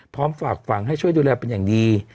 ฝากฝังให้ช่วยดูแลเป็นอย่างดี